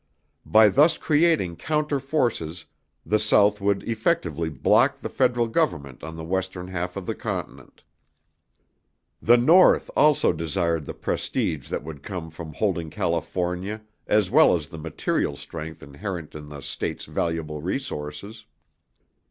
By thus creating counter forces the South would effectively block the Federal Government on the western half of the continent. The North also desired the prestige that would come from holding California as well as the material strength inherent in the state's valuable resources.